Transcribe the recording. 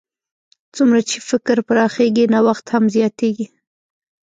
څومره چې فکرونه پراخېږي، نوښت هم زیاتیږي.